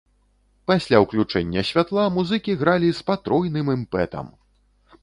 Пасля ўключэння святла музыкі гралі з патройным імпэтам!